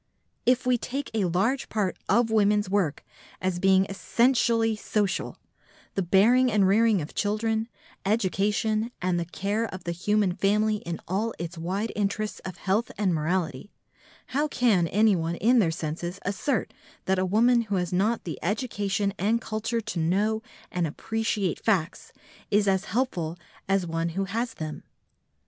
If we take a large part of women's work as being essentially social, the bearing and rearing of children, education and the care of the human family in all its wide interests of health and morality, how can anyone in their senses assert that a woman who has not the education and culture to know and appreciate facts is as helpful as one who has them?